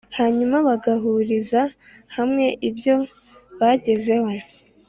hanyuma bagahuriza hamwe ibyo bagezeho